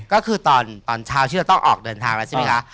ก็คือตอนเช้าที่เราต้องออกเดินทางแล้วใช่ไหมคะ